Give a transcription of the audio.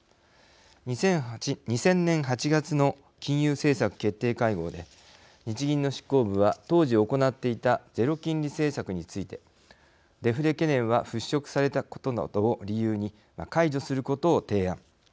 ２０００年８月の金融政策決定会合で日銀の執行部は、当時行っていたゼロ金利政策についてデフレ懸念は払拭されたことなどを理由に解除することを提案。